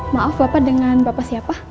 maaf bapak dengan bapak siapa